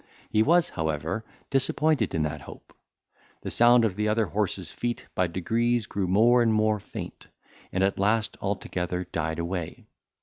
He was, however, disappointed in that hope; the sound of the other horse's feet by degrees grew more and more faint, and at last altogether died away.